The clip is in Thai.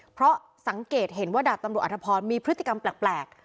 เพราะสังเกตเห็นว่าดาบตำรวจอธพรมีพฤติกรรมแปลก